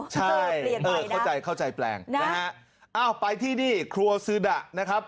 ใช่เข้าใจเข้าใจแปลงนะฮะอ้าวไปที่นี่ครัวซืดะนะครับ